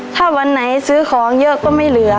ถ้าวันไหนซื้อของเยอะก็ไม่เหลือ